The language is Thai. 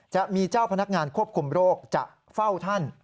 จะมีเจ้าพนักงานควบคุมโรคจะเฝ้าท่าน